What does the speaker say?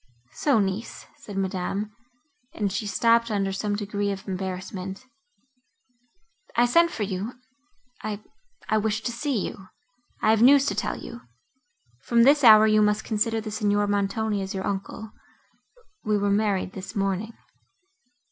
"So, niece!"—said Madame, and she stopped under some degree of embarrassment.—"I sent for you—I—I wished to see you; I have news to tell you. From this hour you must consider the Signor Montoni as your uncle—we were married this morning."